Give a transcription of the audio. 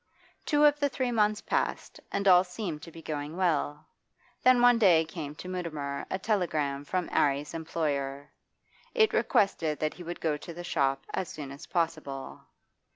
Two of the three months passed, and all seemed to be going well. Then one day there came to Mutimer a telegram from 'Arry's employer; it requested that he would go to the shop as soon as possible.